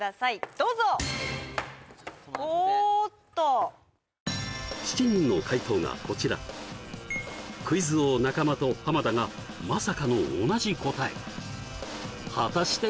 どうぞおっと７人の解答がこちらクイズ王中間と田がまさかの同じ答え果たして？